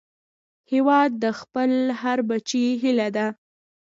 هیواد د خپل هر بچي هيله ده